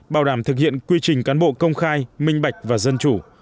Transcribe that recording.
bảo đảm thực hiện quy trình cán bộ công khai minh bạch và dân chủ